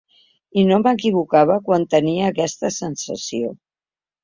I no m’equivocava quan tenia aquesta sensació.